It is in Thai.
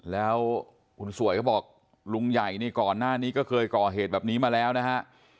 แล้วคุณสวยก็บอกลุงใหญ่นี่ก่อนหน้านี้ก็เคยก่อเหตุแบบนี้มาแล้วนะฮะ